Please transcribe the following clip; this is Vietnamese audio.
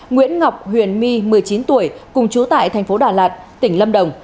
nguyễn ngọc huyền my một mươi chín tuổi cùng chú tại tp đà lạt tỉnh lâm đồng